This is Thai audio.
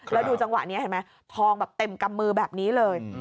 แล้วดูจังหวะนี้เห็นไหมทองแบบเต็มกำมือแบบนี้เลย